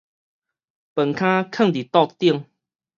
飯坩囥佇桌頂